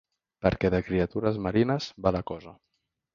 Perquè de criatures marines va la cosa.